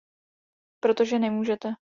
Protože nemůžete.